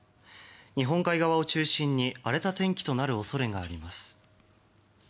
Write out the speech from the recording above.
日本海側を中心に荒れた天気となる恐れがあります。